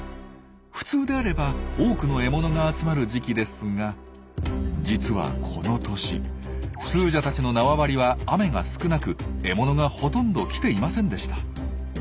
普通であれば多くの獲物が集まる時期ですが実はこの年スージャたちの縄張りは雨が少なく獲物がほとんど来ていませんでした。